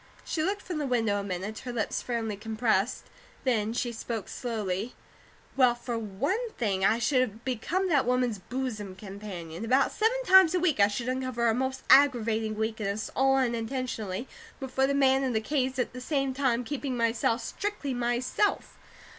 She looked from the window a minute, her lips firmly compressed. Then she spoke slowly: "Well, for one thing, I should become that woman's bosom companion. About seven times a week I should uncover her most aggravating weakness all unintentionally before the man in the case, at the same time keeping myself, strictly myself.